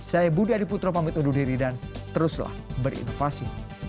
saya budi adiputro pamit undur diri dan teruslah berinovasi